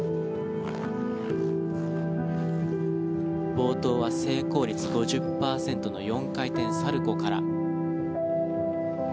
冒頭は成功率５０％の４回転サルコウから。